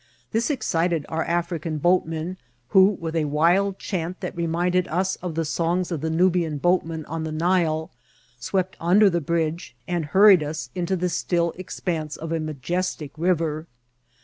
This excited our African boat men, who, with a wild chant that reminded us of the songs of the Nubian boatmen on the Nile, swept under the bridge, and hurried us into the still expanse of a majestic river.